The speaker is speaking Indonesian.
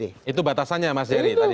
itu batasannya mas jerry tadi